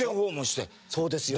そうですよ。